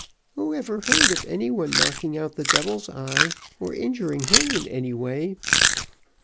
Who ever heard of any one knocking out the devil's eye, or injuring him in any way?